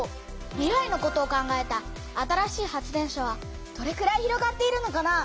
未来のことを考えた新しい発電所はどれくらい広がっているのかな？